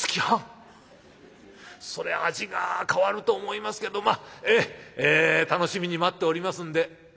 そりゃ味が変わると思いますけどまあええ楽しみに待っておりますんで」。